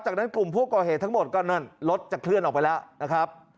จากนั้นกลุ่มผู้ก่อเหตุทั้งหมดก็นั่นรถจะเคลื่อนออกไปแล้วนะครับ